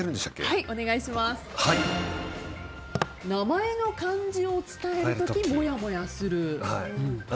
名前の漢字を伝える時もやもやする。